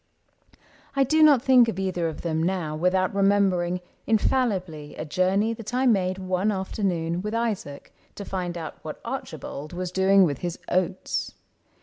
I do not think of either of them now Without remembering, infallibly, A journey that I made one afternoon With Isaac to find out what Archibald Was doing with his oats.